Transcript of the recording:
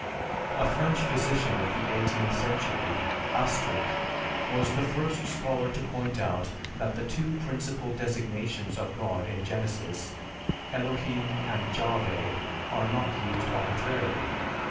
"A French physician of the eighteenth century, Astruc, was the first scholar to point out that the two principal designations of God in Genesis, Elohim and Jahveh, are not used arbitrarily.